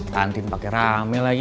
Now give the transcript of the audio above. kantin pake rame lagi